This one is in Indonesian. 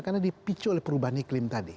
karena dipicu oleh perubahan iklim tadi